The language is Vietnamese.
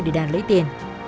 để đàn lấy tiền